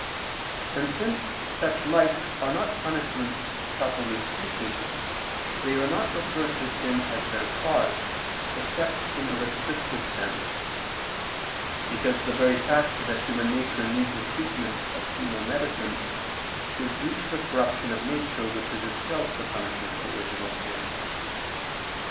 And since such like are not punishments properly speaking, they are not referred to sin as their cause, except in a restricted sense: because the very fact that human nature needs a treatment of penal medicines, is due to the corruption of nature which is itself the punishment of original sin.